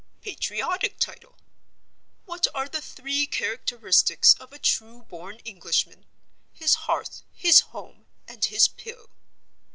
Patriotic Title: 'What are the three characteristics of a true born Englishman? His Hearth, his Home, and his Pill.